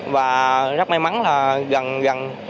và rất may mắn là gần gần